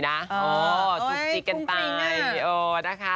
อ๋อสุขีกันตายซิโอดนะคะ